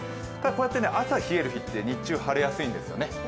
こうやって朝冷える日は日中晴れやすいんですよね。